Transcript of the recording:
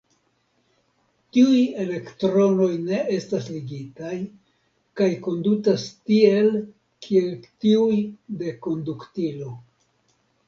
Tiuj elektronoj ne estas ligataj, kaj kondutas tiel, kiel tiuj de konduktilo.